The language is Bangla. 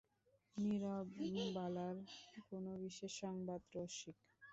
নীরবালার কোনো বিশেষ সংবাদ– রসিক।